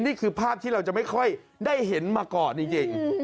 นี่คือภาพที่เราจะไม่ค่อยได้เห็นมาก่อนจริง